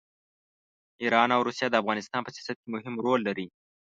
ایران او روسیه د افغانستان په سیاست کې مهم رول لري.